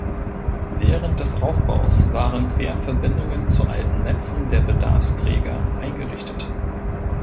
Während des Aufbaus waren Querverbindungen zu alten Netzen der Bedarfsträger eingerichtet.